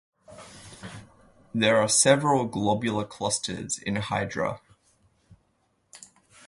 There are several globular clusters in Hydra.